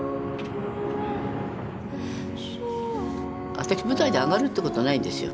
私舞台であがるってことないんですよ。